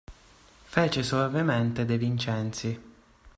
Fece soavemente De Vincenzi.